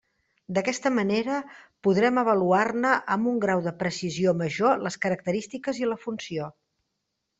D'aquesta manera podrem avaluar-ne amb un grau de precisió major les característiques i la funció.